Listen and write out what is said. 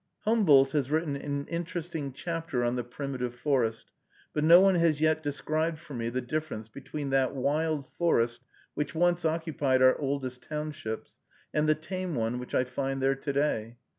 Humboldt has written an interesting chapter on the primitive forest, but no one has yet described for me the difference between that wild forest which once occupied our oldest townships, and the tame one which I find there to day.